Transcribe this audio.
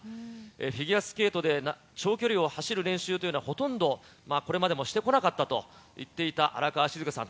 フィギュアスケートで長距離を走る練習というのはほとんど、これまでもしてこなかったと言っていた荒川静香さん。